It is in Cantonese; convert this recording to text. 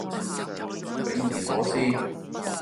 匪夷所思